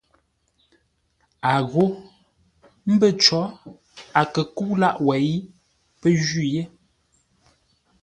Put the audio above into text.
A ghó mbə̂ có a kə kə́u lâʼ wêi, pə́ jwî yé.